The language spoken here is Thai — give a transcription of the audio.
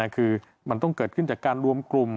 คือมันต้องเกิดขึ้นจากการรวมกลุ่ม